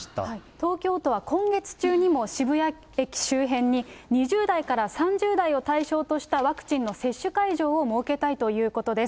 東京都は今月中にも、渋谷駅周辺に２０代から３０代を対象としたワクチンの接種会場を設けたいということです。